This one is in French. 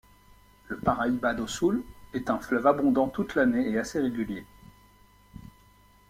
Le Paraíba do Sul est un fleuve abondant toute l'année et assez régulier.